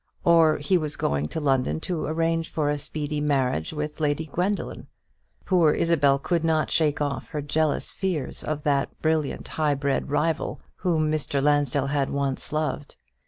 Or he was going to London to arrange for a speedy marriage with Lady Gwendoline. Poor Isabel could not shake off her jealous fears of that brilliant high bred rival, whom Mr. Lansdell had once loved.